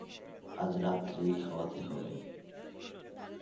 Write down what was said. আজ রাত্রেই খাওয়াতে হবে।